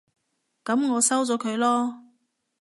噉我收咗佢囉